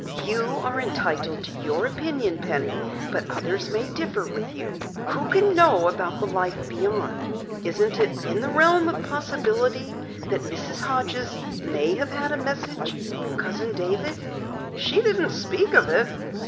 "You are entitled to your opinion, Penny, but others may differ with you. Who can know about The Life Beyond? Isn't it in the realm of possibility that Mrs. Hodges may have had a message from Cousin David?" "She didn't speak of it."